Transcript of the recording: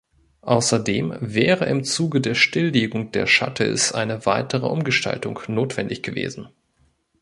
Außerdem wäre im Zuge der Stilllegung der Shuttles eine weitere Umgestaltung notwendig gewesen.